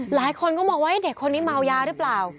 หลายคนก็มองว่าเด็กคนนี้เมายาหรือเปล่า